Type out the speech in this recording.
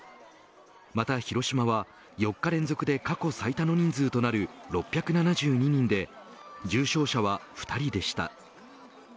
また広島は、４日連続で過去最多の人数となる６７２人で重症者は２人でした。